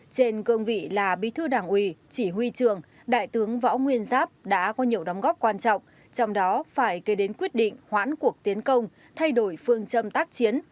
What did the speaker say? trên cương vị là bí thư đảng ủy chỉ huy trường đại tướng võ nguyên giáp đã có nhiều đóng góp quan trọng trong đó phải kể đến quyết định hoãn cuộc tiến công thay đổi phương châm tác chiến